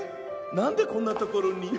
なんでこんなところに？